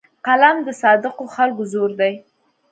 قلم د صادقو خلکو زور دی